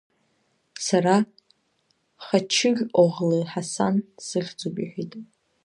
Сара, Хачықь-оӷлы Ҳасан сыхьӡуп, — иҳәеит.